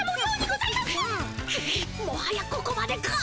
くっもはやここまでか。